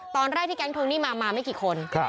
ตอนแรกที่แก๊งทวงหนี้มามาไม่กี่คน